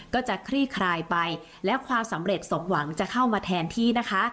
ก็จะคลี่คลายไปและความสำเร็จสมหวังจะเข้ามาแทนที่นะคะ